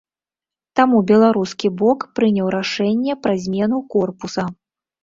Таму беларускі бок прыняў рашэнне пра замену корпуса.